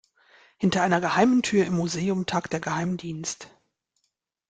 Hinter einer geheimen Tür im Museum tagt der Geheimdienst.